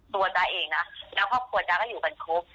จ๊ะเองนะแล้วครอบครัวจ๊ะก็อยู่กันครบ